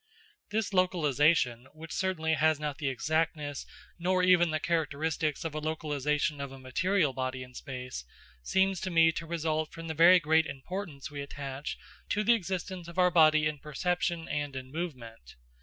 This localisation, which certainly has not the exactness nor even the characteristics of the localisation of a material body in space, seems to me to result from the very great importance we attach, to the existence of our body in perception and in movement.